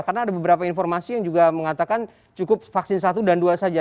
karena ada beberapa informasi yang juga mengatakan cukup vaksin satu dan dua saja